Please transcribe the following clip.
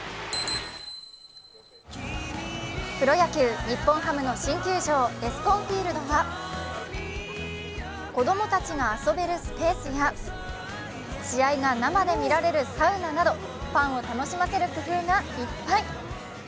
プロ野球、日本ハムの新球場、ＥＳＣＯＮＦＩＥＬＤは子供たちが遊べるスペースや試合が生で見られるサウナなどファンを楽しませる工夫がいっぱい。